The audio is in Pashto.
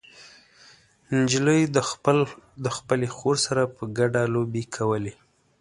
نجلۍ د خپلې خور سره په ګډه لوبې کولې.